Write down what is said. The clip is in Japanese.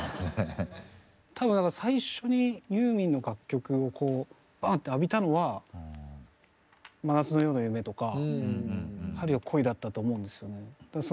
多分最初にユーミンの楽曲をこうバンッて浴びたのは「真夏の夜の夢」とか「春よ、来い」だったと思うんですよね。